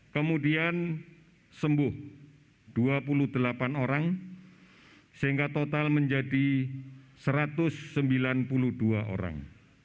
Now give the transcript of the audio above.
kemudian sembuh dua puluh delapan orang sehingga total menjadi satu ratus sembilan puluh dua orang